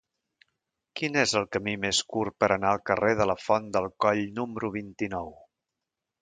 Quin és el camí més curt per anar al carrer de la Font del Coll número vint-i-nou?